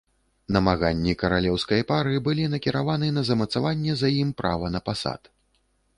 Намаганні каралеўскай пары былі накіраваны на замацаванне за ім права на пасад.